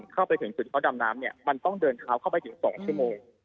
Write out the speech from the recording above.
เข้าไปถึงจุดเขาดำน้ำมันต้องเดินเท้าเข้าไปถึง๒ชั่วโมง